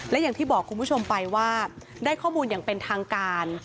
และอย่างที่บอกคุณผู้ชมไปว่าได้ข้อมูลอย่างเป็นทางการ